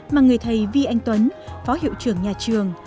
mà người thầy vi anh tuấn phó hiệu trưởng nhà trường